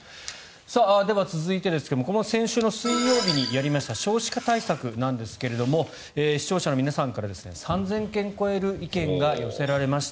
では、続いてですが先週の水曜日になりました少子化対策なんですが視聴者の皆さんから３０００件を超えるご意見が寄せられました。